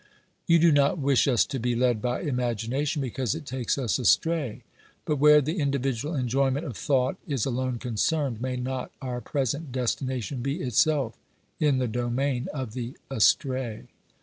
You do not wish us to be led by imagination, because it takes us astray ; but where the individual enjoyment of thought is alone concerned, may not our present destina tion be itself in the domain of the astray